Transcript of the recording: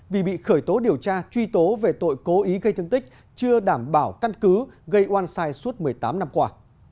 vì bị khởi tố điều tra truy tố về tội cố ý gây thương tích chưa đảm bảo căn cứ gây oan sai suốt một mươi tám năm qua